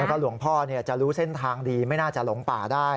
แล้วก็หลวงพ่อจะรู้เส้นทางดีไม่น่าจะหลงป่าได้